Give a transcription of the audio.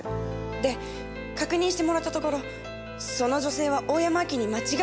で確認してもらったところその女性は大山アキに間違いないそうです。